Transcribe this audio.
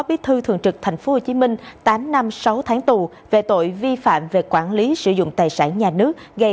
bí thư thường trực tp hcm tám năm sáu tháng tù về tội vi phạm về quản lý sử dụng tài sản nhà nước gây